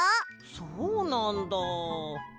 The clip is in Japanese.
そうなんだ。